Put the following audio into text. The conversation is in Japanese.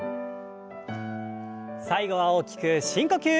最後は大きく深呼吸。